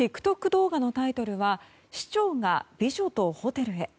動画のタイトルは「市長が美女とホテルへ」。